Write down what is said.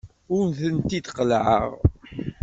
Ur tent-id-qellɛeɣ.